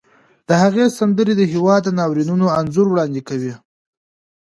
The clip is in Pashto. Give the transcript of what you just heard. د هغې سندرې د هېواد د ناورینونو انځور وړاندې کوي